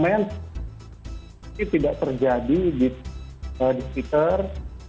ini tidak terjadi di twitter